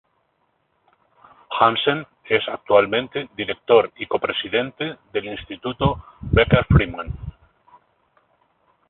Hansen es actualmente director y copresidente del Instituto Becker Friedman.